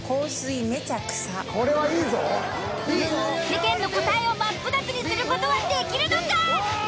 世間の答えをマップタツにする事はできるのか！？